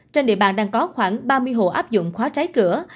trên địa bàn đang có khoảng ba mươi hộ áp dụng khóa trái cửa